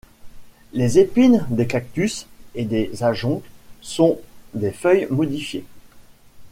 Les épines des cactus et des ajoncs sont des feuilles modifiées.